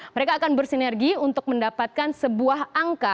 mereka akan bersinergi untuk mendapatkan sebuah angka